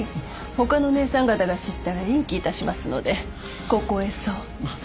ほかのねえさん方が知ったら悋気いたしますのでここへそうっと。